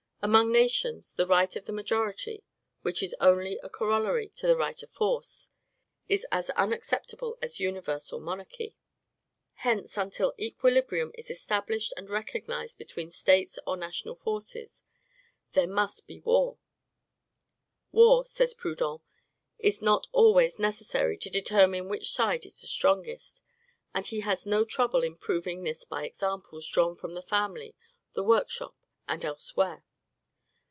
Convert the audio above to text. Among nations, the right of the majority, which is only a corollary of the right of force, is as unacceptable as universal monarchy. Hence, until equilibrium is established and recognized between States or national forces, there must be war. War, says Proudhon, is not always necessary to determine which side is the strongest; and he has no trouble in proving this by examples drawn from the family, the workshop, and elsewhere.